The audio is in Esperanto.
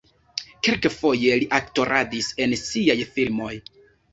Kelkfoje li aktoradis en siaj filmoj.